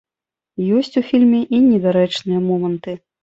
Ёсць у фільме і недарэчныя моманты.